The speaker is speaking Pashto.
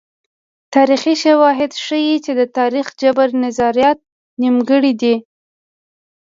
تاریخي شواهد ښيي چې د تاریخي جبر نظریات نیمګړي دي.